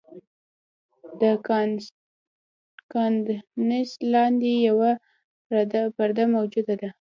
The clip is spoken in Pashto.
د کاندنسر لاندې یوه پرده موجوده ده.